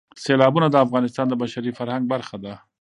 سیلابونه د افغانستان د بشري فرهنګ برخه ده.